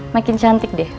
makin cantik deh